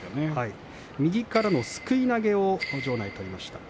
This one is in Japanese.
右からのすくい投げを場内、取りました。